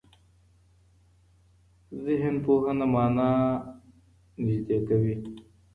ذهنپوهنه مانا نږدې کوي.